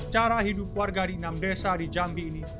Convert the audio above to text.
cara hidup warga di enam desa di jambi ini